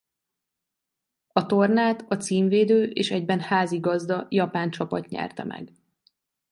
A tornát a címvédő és egyben házigazda japán csapat nyerte meg.